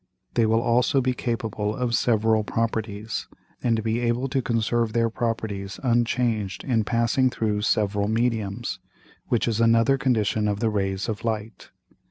They will also be capable of several Properties, and be able to conserve their Properties unchanged in passing through several Mediums, which is another Condition of the Rays of Light.